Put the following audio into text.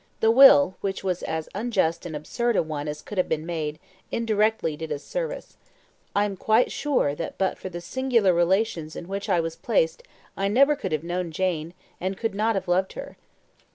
The will, which was as unjust and absurd a one as could have been made, indirectly did us service. I am quite sure that but for the singular relations in which I was placed I never could have known Jane, and could not have loved her."